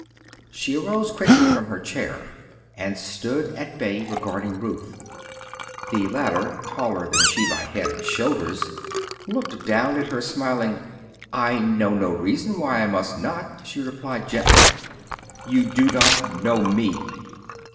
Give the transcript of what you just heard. She arose quickly from her chair and stood at bay, regarding Ruth. The latter, taller than she by head and shoulders, looked down at her smiling. "I know no reason why I must not," she replied gently. "You do not know me."